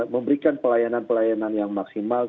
memberikan pelayanan pelayanan yang maksimal